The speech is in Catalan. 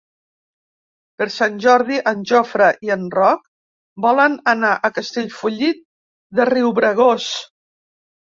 Per Sant Jordi en Jofre i en Roc volen anar a Castellfollit de Riubregós.